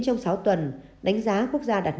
trong sáu tuần đánh giá quốc gia đặt